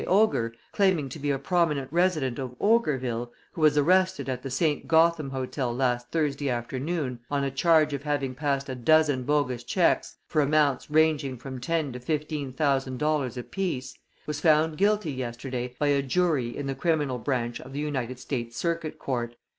Ogre, claiming to be a prominent resident of Ogreville, who was arrested at the St. Gotham Hotel last Thursday afternoon on a charge of having passed a dozen bogus checks for amounts ranging from ten to fifteen thousand dollars apiece, was found guilty yesterday by a jury in the criminal branch of the United States Circuit Court.